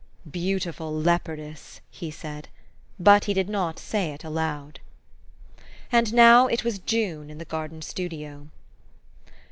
" Beautiful leopardess !" he said; but he did not say it aloud. And now it was June in the garden studio.